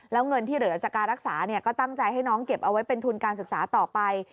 แล้วเงินที่เหลือจากการรักษาก็ตั้งใจให้น้องเก็บเอาไว้เป็นทุนการศึกษาต่อไป